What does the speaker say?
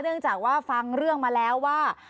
เนื่องจากว่าฟังเรื่องมาแล้วว่า